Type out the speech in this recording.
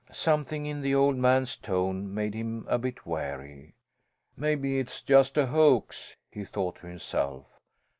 Something in the old man's tone made him a bit wary. "Maybe it's just a hoax," he thought to himself.